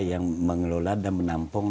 yang mengelola dan menampung